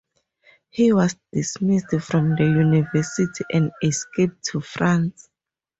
He was dismissed from the university, and escaped to France.